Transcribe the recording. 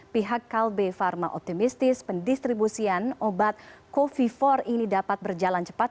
pihak kalbe pharma optimistis pendistribusian obat covifor ini dapat berjalan cepat